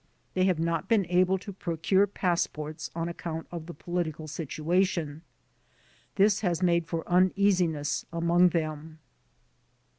They have not been able to procure passports on account of the political situation. This has made for uneasiness among them.